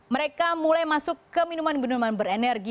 mereka mulai masuk ke minuman minuman berenergi